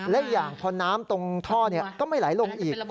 และอย่างพอน้ำตรงท่อก็ไม่ไหลลงอีก